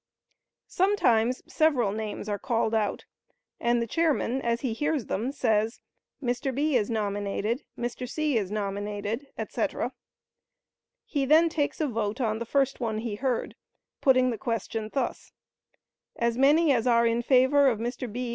Sometimes several names are called out, and the chairman, as he hears them, says, "Mr. B. is nominated; Mr. C. is nominated," etc; he then takes a vote on the first one he heard, putting the question thus: "As many as are in favor of Mr. B.